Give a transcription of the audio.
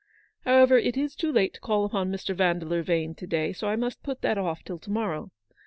However, it is too late to call upon Mr. Vandeleur Vane to day, so I must put that off till to morrow.